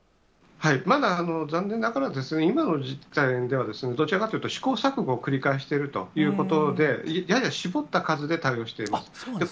まだ残念ながら、今の時点では、どちらかというと、試行錯誤を繰り返しているということで、やや絞った数で対応しています。